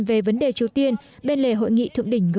về vấn đề triều tiên bên lề hội nghị thượng đỉnh g hai mươi